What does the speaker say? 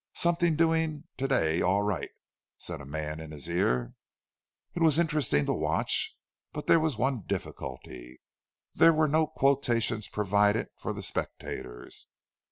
"Something doing to day all right," said a man in his ear. It was interesting to watch; but there was one difficulty—there were no quotations provided for the spectators.